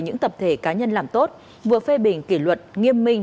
những tập thể cá nhân làm tốt vừa phê bình kỷ luật nghiêm minh